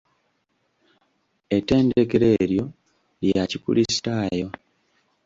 Ettendekero eryo lya kikulisitaayo?